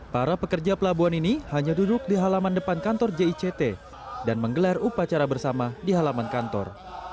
para pekerja pelabuhan ini hanya duduk di halaman depan kantor jict dan menggelar upacara bersama di halaman kantor